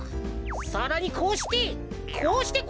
さらにこうして。